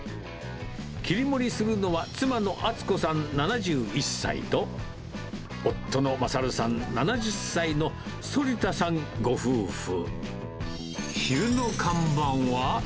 切り盛りするのは妻の厚子さん７１歳と、夫の賢さん、７０歳の、反田さんご夫婦。